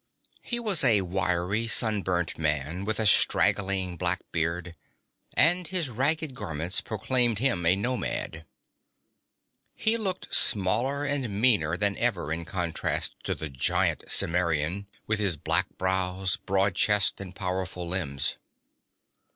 He was a wiry, sun burnt man with a straggling black beard, and his ragged garments proclaimed him a nomad. He looked smaller and meaner than ever in contrast to the giant Cimmerian with his black brows, broad chest, and powerful limbs.